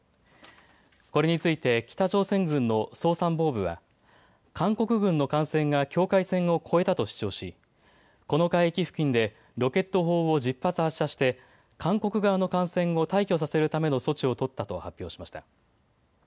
これについて北朝鮮軍の総参謀部は韓国軍の艦船が境界線を越えたと主張しこの海域付近でロケット砲を１０発発射して韓国側の艦船を退去させるための措置を取ったと発表しました。